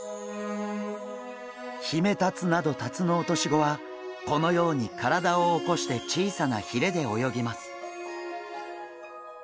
ヒメタツなどタツノオトシゴはこのように体を起こして小さなひれで泳ぎます。